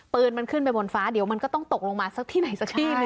ปืนมันขึ้นไปบนฟ้าเดี๋ยวมันก็ต้องตกลงมาสักที่ไหนสักที่หนึ่ง